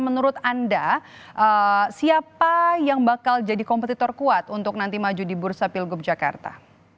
menurut anda siapa yang bakal jadi kompetitor kuat untuk nanti maju di bursa pilgub jakarta